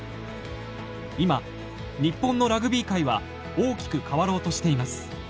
今日本のラグビー界は大きく変わろうとしています。